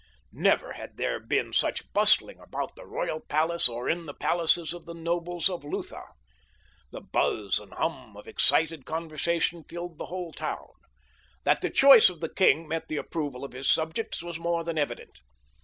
Never had there been such bustling about the royal palace or in the palaces of the nobles of Lutha. The buzz and hum of excited conversation filled the whole town. That the choice of the king met the approval of his subjects was more than evident.